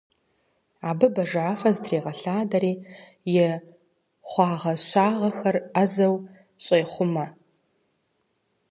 Абы бажафэ зытрегъэлъадэри и хъуагъэщагъэхэр ӏэзэу щӏехъумэ.